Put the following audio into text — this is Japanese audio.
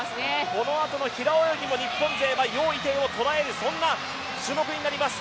このあとの平泳ぎも日本勢は余依テイをとらえる、そんな種目になります。